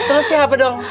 terus siapa dong